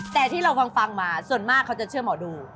แต่ที่เราฟังมาส่วนมากเขาจะเชื่อหมอดู